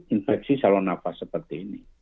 infeksi saluran nafas seperti ini